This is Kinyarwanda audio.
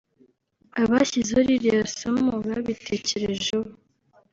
Abashyizeho ririya somo babitekerejeho